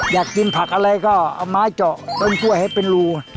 อยากกินผักอะไรก็เอาไม้เจาะต้นกล้วยให้เป็นรู